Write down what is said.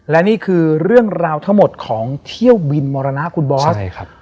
และนี่คือเรื่องราวทั้งหมดของเที่ยวบินมรณะคุณบอสใช่ครับ